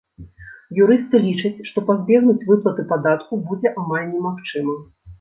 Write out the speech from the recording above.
Юрысты лічаць, што пазбегнуць выплаты падатку будзе амаль немагчыма.